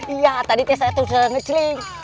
iya tadi tessa itu sudah ngeceling